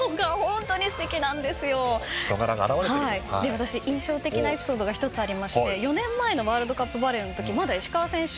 私印象的なエピソードが１つありまして４年前のワールドカップバレーのときまだ石川選手